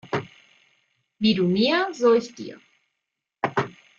Wie du mir, so ich dir.